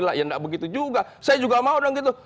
saya juga mau